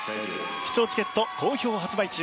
視聴チケット好評発売中。